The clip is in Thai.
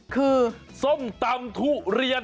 คือส้มตำทุเรียน